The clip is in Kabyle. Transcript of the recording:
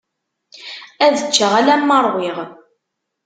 Ad ččeɣ alamma ṛwiɣ.